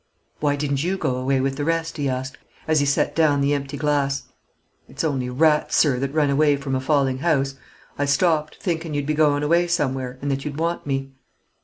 "Why didn't you go away with the rest?" he asked, as he set down the empty glass. "It's only rats, sir, that run away from a falling house. I stopped, thinkin' you'd be goin' away somewhere, and that you'd want me."